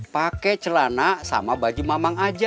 pakai celana sama baju mamang aja